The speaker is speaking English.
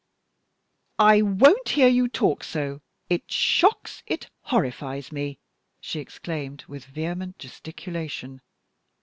"I won't hear you talk so it shocks, it horrifies me!" she exclaimed, with vehement gesticulation.